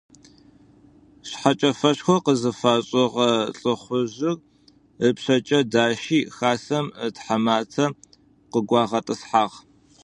Шъхьэкӏэфэшхо къызфашӏыгъэ лӏыхъужъыр ыпшъэкӏэ дащи хасэм итхьэматэ къыгуагъэтӏысхьагъ.